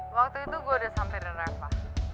waktu itu gue udah sampe dengan reva